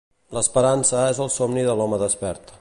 L'esperança és el somni de l'home despert.